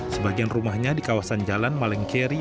sebagian rumahnya di kawasan jalan malengkeri